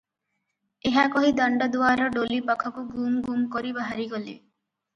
ଏହା କହି ଦାଣ୍ତ ଦୁଆର ଡୋଲି ପାଖକୁ ଗୁମ୍ ଗୁମ୍ କରି ବାହାରିଗଲେ ।